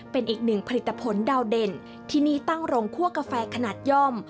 เป็นอีกหนึ่งผลิตผลดาวเด่นที่นี่ตั้งโรงคั่วกาแฟขนาดย่อม